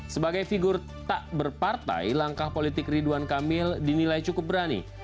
sebagai figur tak berpartai langkah politik ridwan kamil dinilai cukup berani